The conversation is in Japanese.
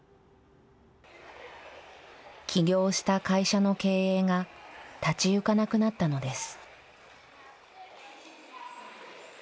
起業した会社の経営が立ち行かなくなったのです。